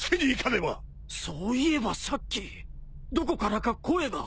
そういえばさっきどこからか声が。